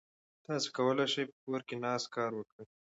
تاسو کولای شئ په کور کې ناست کار وکړئ.